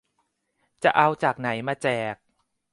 จะเอาจากไหนมาแจก !